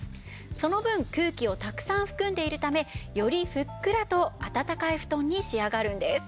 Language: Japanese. その分空気をたくさん含んでいるためよりふっくらとあたたかい布団に仕上がるんです。